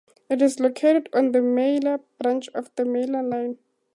It is located on the Merthyr branch of the Merthyr Line.